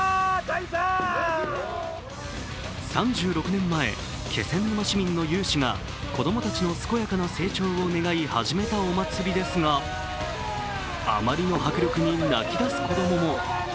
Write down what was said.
３６年前、気仙沼市民の有志が子供たちの健やかな成長を願い始めたお祭りですがあまりの迫力に泣き出す子供も。